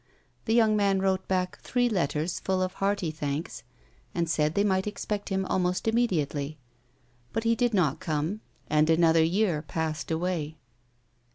The young man wrote back three letters full of hearty thanks, and said they might expect him almost immediately. But he did not come, and another year passed away.